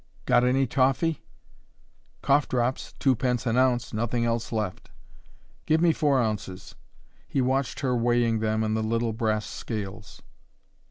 "Got any toffee ?" "Cough drops two pence an ounce nothing else left." "Give me four ounces." He watched her weighing them in the little brass scales.